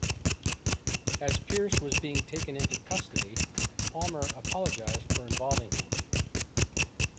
As Pierce was being taken into custody, Palmer apologized for involving him.